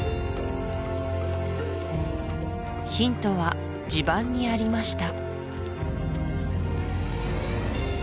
ヒントは地盤にありました